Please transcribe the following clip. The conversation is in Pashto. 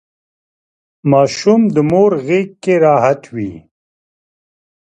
ماشوم د مور غیږکې راحت وي.